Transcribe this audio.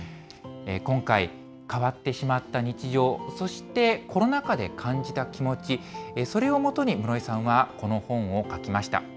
今回、変わってしまった日常、そしてコロナ禍で感じた気持ち、それを基に室井さんはこの本をかきました。